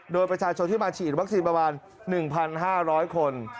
โดยประชาชนที่มาฉีดวัคซีนประมาณ๑๕๐๐คน